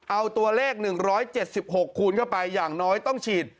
เอาตัวเลข๑๗๖คูณเข้าไปอย่างน้อยต้องฉีด